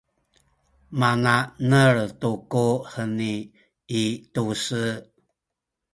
mana’nel tu ku heni i tu-se